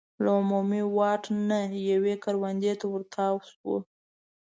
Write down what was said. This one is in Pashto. له عمومي واټ نه یوې کروندې ته ور تاو شو.